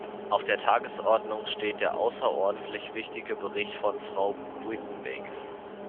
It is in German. Auf der Tagesordnung steht der außerordentlich wichtige Bericht von Frau Buitenweg.